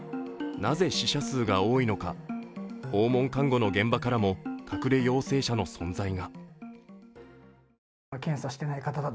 なぜ死者数が多いのか、訪問看護の現場からも隠れ陽性者の存在が。